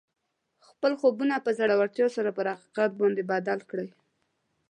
خپل خوبونه په زړورتیا سره پر حقیقت باندې بدل کړئ